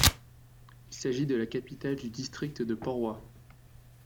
Il s'agit de la capitale du district de Poroy.